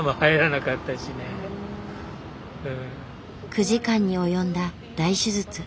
９時間に及んだ大手術。